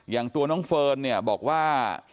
อย่างตัวน้องเฟิร์นบอกว่า